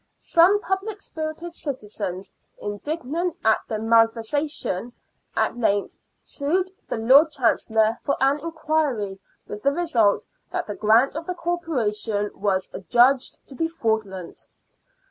Some public spirited citizens, indignant at the malversation, at length sued the Lord Chancellor for an inquiry, with the result that the grant of the Corporation was adjudged to be fraudulent.